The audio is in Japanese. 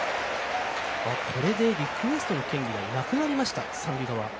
これでリクエストの権利がなくなりました、三塁側。